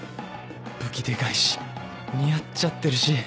武器デカいし似合っちゃってるし